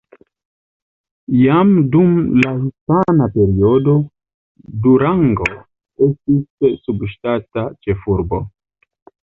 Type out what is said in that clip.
Jam dum la hispana periodo Durango estis subŝtata ĉefurbo.